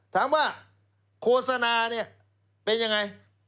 ถามว่าโฆษณาเนี่ยเป็นยังไง